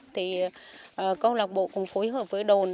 thì câu lộc bộ cũng phối hợp với đồn